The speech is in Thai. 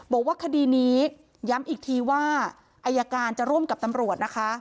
บอกว่าคดีนี้ย้ำอีกทีว่าอายการจะร่วมกับตำรวจนะคะ